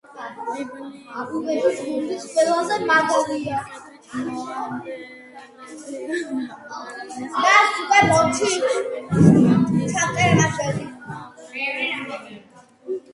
ბიბლიის მიხედვით მოაბელები აბრაამის ძმისშვილის, ლოტის შთამომავლები იყვნენ.